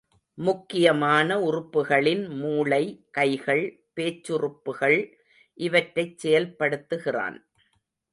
முக்கியமான உறுப்புகளின் மூளை, கைகள், பேச்சுறுப்புகள் இவற்றைச் செயல்படுத்துகிறான்.